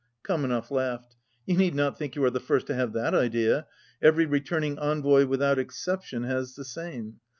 Kamenev laughed. "You need not think you are the first to have that idea. Every returning envoy without exception has the same.